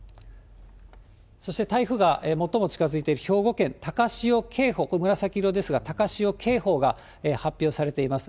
そして、台風が最も近づいている兵庫県、高潮警報、これ、紫色ですが、高潮警報が発表されています。